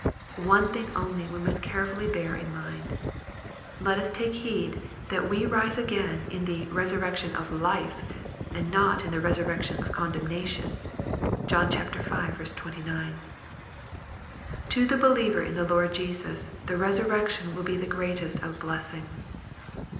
One thing only we must carefully bear in mind. Let us take heed that we rise again in "the resurrection of life," and not in " the resurrection of condemnation." (John v. 29.) To the believer in the Lord Jesus, the resurrec tion will be the greatest of blessings.